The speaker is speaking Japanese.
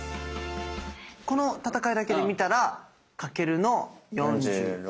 この戦いだけで見たら翔の４６。